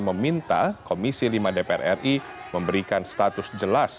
meminta komisi lima dpr ri memberikan status jelas